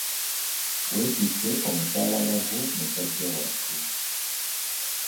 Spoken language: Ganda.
Wetikke omusaalaba gwo musajja wattu.